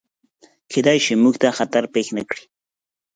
کیدای شي، موږ ته خطر پیښ نکړي.